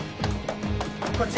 こっち。